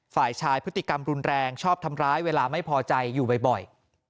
ฝ่ายชายพฤติกรรมรุนแรงชอบทำร้ายเวลาไม่พอใจอยู่บ่อย